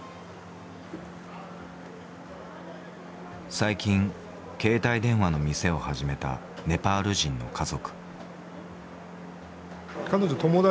最近携帯電話の店を始めたネパール人の家族。